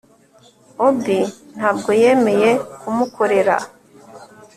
obi ntabwo yemeye kumukorera